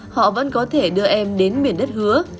họ vẫn có thể đưa em đến miền đất hứa